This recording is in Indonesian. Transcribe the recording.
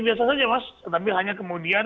biasa saja mas tapi hanya kemudian